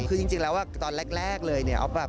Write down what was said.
คือจริงแล้วตอนแรกเลย